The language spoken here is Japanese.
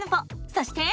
そして。